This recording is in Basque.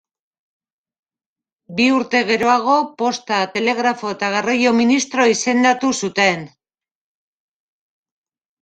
Bi urte geroago Posta, Telegrafo eta Garraio ministro izendatu zuten.